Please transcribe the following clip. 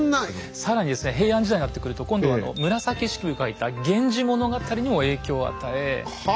更にですね平安時代になってくると今度は紫式部が書いた「源氏物語」にも影響を与え